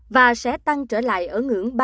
và sẽ tăng trở lại ở ngưỡng ba ca mắc